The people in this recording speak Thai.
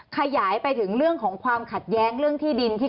ด้วยไหมคะเรื่องที่ดินเกี่ยวไหมค่ะเอออย่างงี้ผมก็เพิ่งได้ยินประเด็นนี้